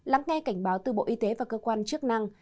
lắng nghe cảnh báo từ bộ y tế và cơ quan chức năng